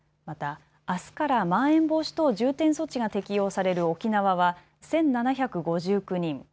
また、あすからまん延防止等重点措置が適用される沖縄は１７５９人。